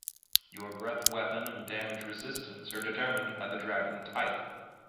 Your breath weapon and damage resistance are determined by the dragon type.